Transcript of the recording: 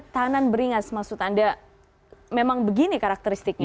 tahanan beringas maksud anda memang begini karakteristiknya